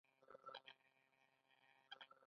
د پښتو ژبې د بډاینې لپاره پکار ده چې نیشنلېزم معقول شي.